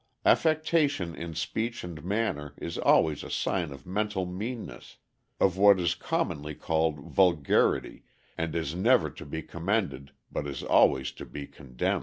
Affectation in speech and manner is always a sign of mental meanness, of what is commonly called vulgarity, and is never to be commended but is always to be condemned.